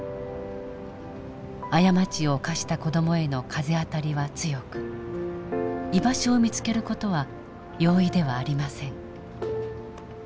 過ちを犯した子どもへの風当たりは強く居場所を見つける事は容易ではありません。